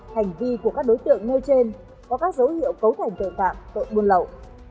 hành vi của các đối tượng nêu trên có các dấu hiệu cấu thành tội phạm tội buôn lậu